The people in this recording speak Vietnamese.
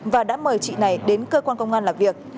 và đã mời chị này đến cơ quan công an làm việc